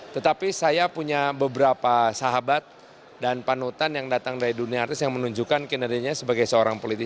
tetapi saya punya beberapa sahabat dan panutan yang datang dari dunia artis yang menunjukkan kinerjanya sebagai seorang politisi